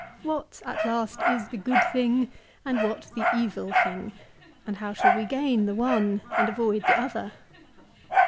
What, at last, is the good thing and what the evil thing, and how shall we gain the one and avoid the other